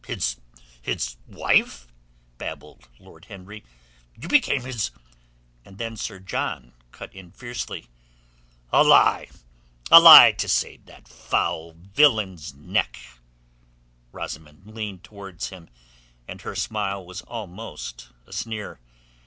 his wife?" babbled Lord Henry. "You became his...." And then Sir John cut in fiercely. "A lie! A lie to save that foul villain's neck!" Rosamund leaned towards him, and her smile was almost a sneer.